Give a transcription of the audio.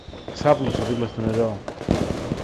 Ξάπλωσα δίπλα στο νερό.